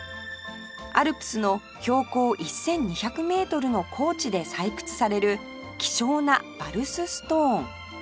アルプスの標高１２００メートルの高地で採掘される希少なヴァルスストーン